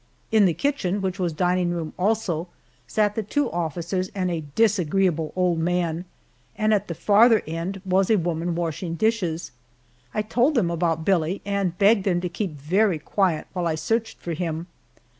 In the kitchen, which was dining room also, sat the two officers and a disagreeable old man, and at the farther end was a woman washing dishes. I told them about Billie and begged them to keep very quiet while I searched for him.